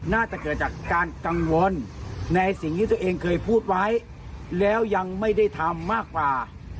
น่าจะเกิดจากการกังวลในสิ่งที่ตัวเองเคยพูดไว้แล้วยังไม่ได้ทำมากกว่า